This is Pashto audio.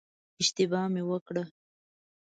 اشتباه مې وکړه.